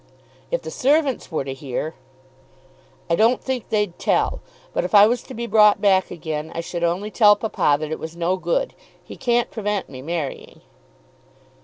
"If the servants were to hear." "I don't think they'd tell. But if I was to be brought back again, I should only tell papa that it was no good. He can't prevent me marrying."